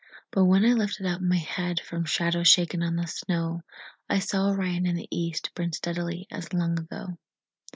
But when I lifted up my head From shadows shaken on the snow, I saw Orion in the east Burn steadily as long ago.